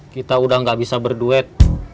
kita udah gak bisa berduet